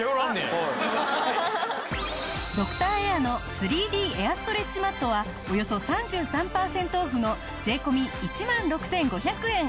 ドクターエアの３Ｄエアストレッチマットはおよそ３３パーセントオフの税込１万６５００円。